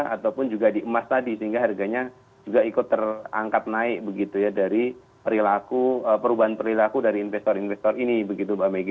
ataupun juga di emas tadi sehingga harganya juga ikut terangkat naik begitu ya dari perubahan perilaku dari investor investor ini begitu mbak megi